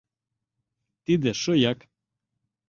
Тиде шояк.